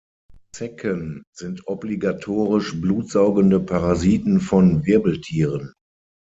Zecken sind obligatorisch blutsaugende Parasiten von Wirbeltieren.